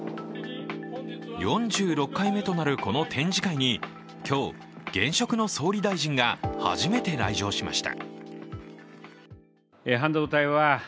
４６回目となる、この展示会に今日、現職の総理大臣が初めて来場しました。